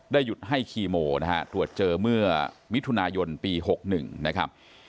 หยุดให้คีโมนะฮะตรวจเจอเมื่อมิถุนายนปี๖๑นะครับ